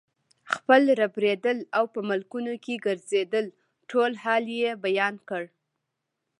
خپل ربړېدل او په ملکونو کې ګرځېدل ټول حال یې بیان کړ.